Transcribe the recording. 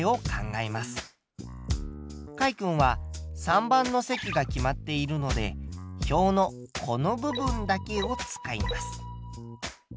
かいくんは３番の席が決まっているので表のこの部分だけを使います。